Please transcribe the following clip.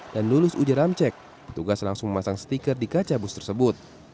dan lulus ujian ramcek petugas langsung memasang stiker di kaca bus tersebut